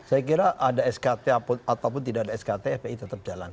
saya kira ada skt ataupun tidak ada skt fpi tetap jalan